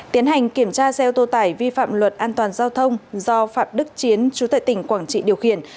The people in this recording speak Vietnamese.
tiến hành kiểm tra xe ô tô tải vi phạm luật an toàn giao thông do phạm đức chiến chú tại tỉnh quảng trị điều khiển